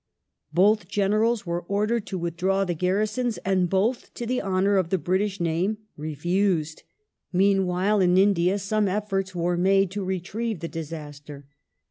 Both Generals were ordered to withdraw the garrisons, and both, to the honour of the British name, refused. Meanwhile, in India, some efforts were made to retrieve the disaster.